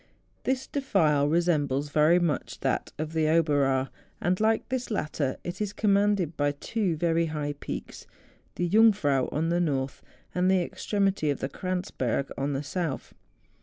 This defile resembles very much that of the Oberaar; and, like this latter, it is commanded by two very high peaks; the Jungfrau on the north, and the extremity of the Kranzberg on the south.